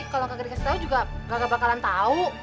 kalo kagak dikasih tau juga gak bakalan tau